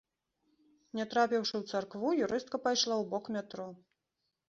Не трапіўшы ў царкву, юрыстка пайшла ў бок метро.